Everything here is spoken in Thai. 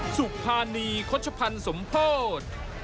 สุภานีคชพรรณสมโพธ